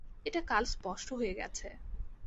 এটা কাল স্পষ্ট হয়ে গেছে।